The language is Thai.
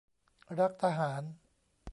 รักทหาร